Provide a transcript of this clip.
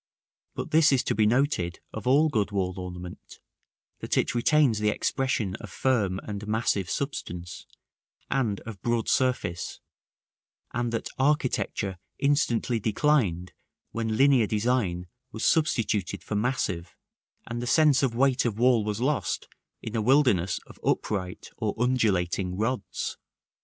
But this is to be noted of all good wall ornament, that it retains the expression of firm and massive substance, and of broad surface, and that architecture instantly declined when linear design was substituted for massive, and the sense of weight of wall was lost in a wilderness of upright or undulating rods.